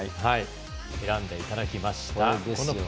選んでいただきました。